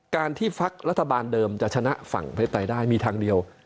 การที่พักรัฐบาลเดิมจะชนะฝั่งประเทศไทยได้มีทางเดียว